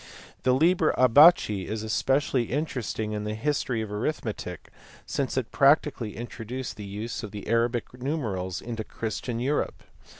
The Liber Abaci is especially interesting in the history of arithmetic since it practically introduced the use of the Arabic numerals into Christian Europe.